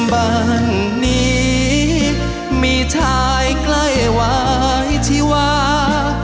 บ้านนี้มีชายใกล้ไหวที่ว่า